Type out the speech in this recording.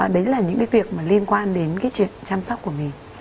đấy là những cái việc mà liên quan đến cái chuyện chăm sóc của mình